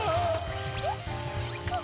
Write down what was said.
えっ？